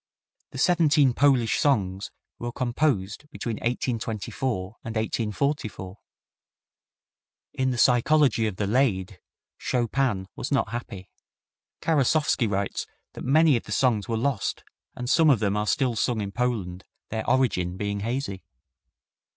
The seventeen Polish songs were composed between 1824 and 1844. In the psychology of the Lied Chopin was not happy. Karasowski writes that many of the songs were lost and some of them are still sung in Poland, their origin being hazy.